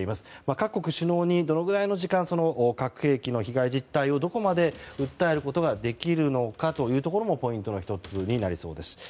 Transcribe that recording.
各国首脳に、どのくらいの時間核兵器の被害実態をどこまで訴えることができるのかというところもポイントの１つになりそうです。